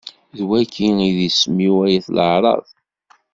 D wagi i d isem-iw ay at leɛraḍ.